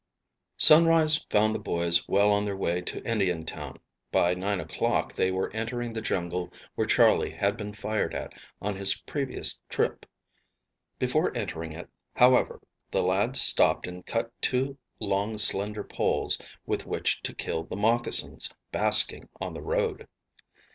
SUNRISE found the boys well on their way to Indiantown. By nine o'clock they were entering the jungle where Charley had been fired at on his previous trip. Before entering it, however, the lads stopped and cut two long slender poles with which to kill the moccasins basking on the road.